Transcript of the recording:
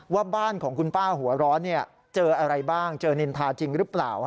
ว่าบ้านของคุณป้าหัวร้อนเจออะไรบ้างเจอนินทาจริงหรือเปล่า